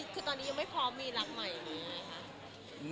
คือตอนนี้ยังไม่พร้อมมีรักใหม่มีอะไรคะ